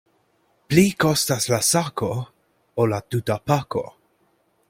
Pli kostas la sako, ol la tuta pako.